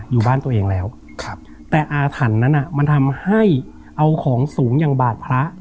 อยู่บ้านตัวเองแล้วครับแต่อาถรรพ์นั้นมันทำให้เอาของสูงอย่างบาดพระ